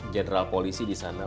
jenderal polisi disana